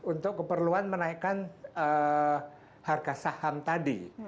untuk keperluan menaikkan harga saham tadi